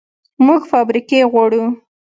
موږ فابریکې غواړو